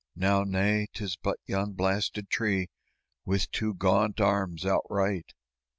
"Now, nay, 'tis but yon blasted tree With two gaunt arms outright!"